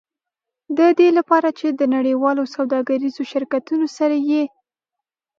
د دې لپاره چې د نړیوالو سوداګریزو شرکتونو سره یې.